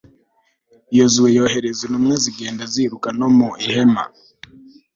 yozuwe yohereza intumwa zigenda ziruka no mu ihema